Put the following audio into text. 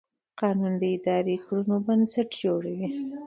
قانون د اداري کړنو بنسټ جوړوي.